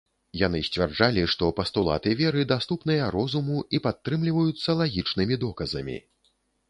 Яны сцвярджалі, што пастулаты веры даступныя розуму і падтрымліваюцца лагічнымі доказамі.